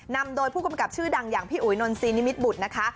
นำโดยผู้กำกับชื่อดังอย่างพี่อุ๋ยนนซีนิมิตรบุตรนะคะ